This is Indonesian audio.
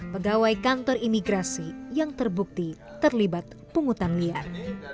pegawai kantor imigrasi yang terbukti terlibat pungutan liar